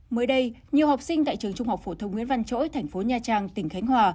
mới đây nhiều học sinh tại trường trung học phổ thông nguyễn văn chỗi thành phố nha trang tỉnh khánh hòa